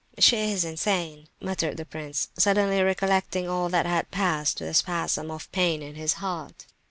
"She is insane," muttered the prince, suddenly recollecting all that had passed, with a spasm of pain at his heart.